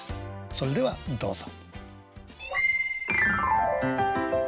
それではどうぞ。